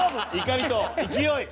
怒りと勢い。